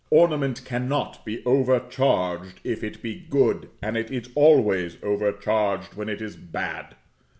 Ornament cannot be overcharged if it be good, and is always overcharged when it is bad.